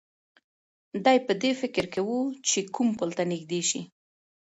دی په دې فکر کې و چې کوم پل ته نږدې شي.